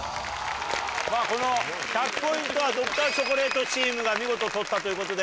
この１００ポイントは「Ｄｒ．チョコレートチーム」が見事取ったということで。